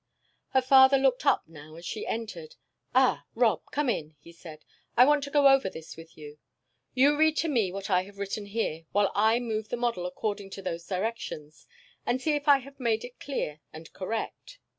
Her father looked up now as she entered. "Ah, Rob, come in," he said. "I want to go over this with you. You read to me what I have written here, while I move the model according to those directions, and see if I have made it clear and correct."